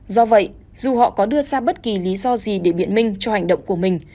do vậy dù họ có đưa ra bất kỳ lý do gì để biện minh cho hành động của mình